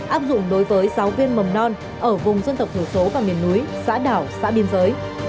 áp dụng đối với giáo viên mầm non ở vùng dân tộc thiểu số và miền núi xã đảo xã biên giới